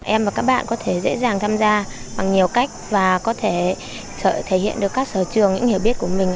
em và các bạn có thể dễ dàng tham gia bằng nhiều cách và có thể thể hiện được các sở trường những hiểu biết của mình